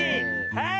はい！